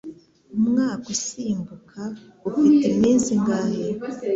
Umwaka usimbuka ufite iminsi ingahe?